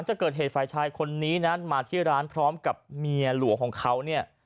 ในฝ่ายชายคนนี้นั้นมาที่ร้านพร้อมกับเมียหลัวของเขาเนี่ย